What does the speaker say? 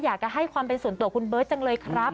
อยากจะให้ความเป็นส่วนตัวคุณเบิร์ตจังเลยครับ